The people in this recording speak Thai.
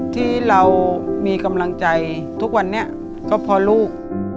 ที่เรามีกำลังใจทุกวันนี้ก็เพราะลูก